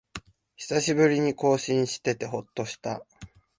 久しぶりに更新しててほっとした